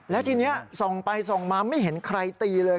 แล้วทีนี้ส่องไปส่องมาไม่เห็นใครตีเลย